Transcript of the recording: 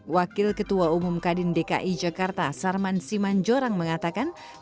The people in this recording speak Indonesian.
wakil ketua umum kadin dki jakarta sarman simanjorang mengatakan